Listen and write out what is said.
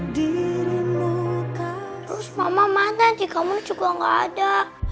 terus mama mana di kamar juga gak ada